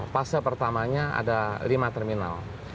fase pertamanya ada lima terminal